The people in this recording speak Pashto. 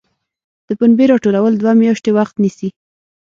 د پنبې راټولول دوه میاشتې وخت نیسي.